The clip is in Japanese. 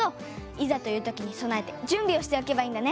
いざというときにそなえてじゅんびをしておけばいいんだね。